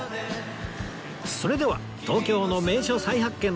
それでは東京の名所再発見の旅